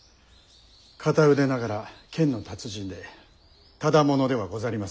片腕ながら剣の達人でただ者ではござりませ。